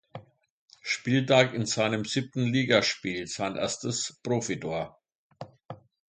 Spieltag in seinem siebten Ligaspiel sein erstes Profitor.